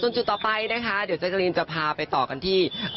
ส่วนจุดต่อไปนะคะเดี๋ยวเจ๊กรีนจะพาไปต่อกันที่